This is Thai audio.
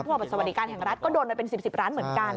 ผู้ออกประสบรรยาการแห่งรัฐก็โดนไปเป็นสิบสิบล้านเหมือนกัน